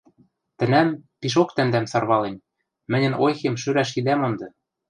Тӹнӓм — пишок тӓмдӓм сарвалем — мӹньӹн ойхем шӧрӓш идӓ монды